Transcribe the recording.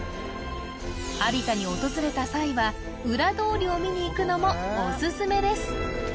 有田に訪れた際は裏通りを見に行くのもオススメです